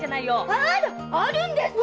あらあるんですか